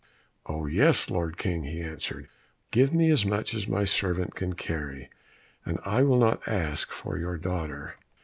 "Oh, yes, Lord King," he answered, "give me as much as my servant can carry, and I will not ask for your daughter."